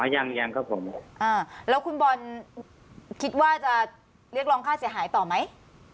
ยังยังครับผมอ่าแล้วคุณบอลคิดว่าจะเรียกร้องค่าเสียหายต่อไหม